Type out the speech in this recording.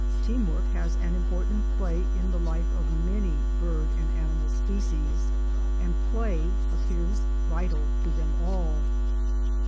Team work has an important place in the life of many bird and animal species. And play appears vital to them all.